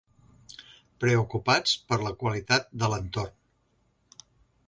Preocupats per la qualitat de l'entorn.